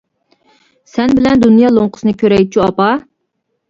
سەن بىلەن دۇنيا لوڭقىسىنى كۆرەيچۇ ئاپا.